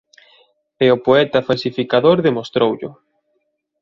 E o poeta–falsificador demostroullo.